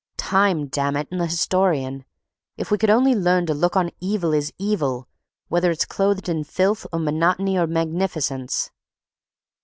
"Time, damn it, and the historian. If we could only learn to look on evil as evil, whether it's clothed in filth or monotony or magnificence."